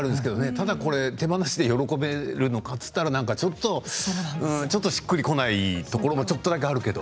ただこれは手放しで喜べるのかといったらちょっとしっくりこないところもちょっとだけあるけど。